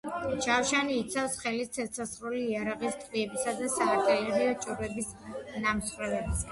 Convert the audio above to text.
ჯავშანი იცავს ხელის ცეცხლსასროლი იარაღის ტყვიებისა და საარტილერიო ჭურვების ნამსხვრევებისგან.